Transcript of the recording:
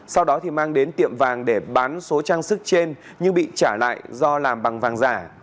sau đó thì mang đến tiệm vàng để bán số trang sức trên nhưng bị trả lại do làm bằng vàng giả